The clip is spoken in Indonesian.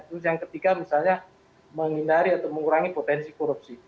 terus yang ketiga misalnya menghindari atau mengurangi potensi korupsi